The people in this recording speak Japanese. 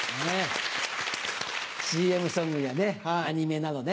ＣＭソングやアニメなどね。